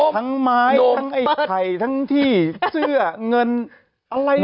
ทั้งไม้ทั้งไข่ทั้งที่เสื้อเงินอะไรไม่รู้